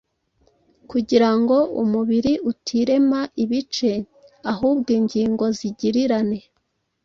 kugira ngo umubiri utirema ibice, ahubwo ingingo zigirirane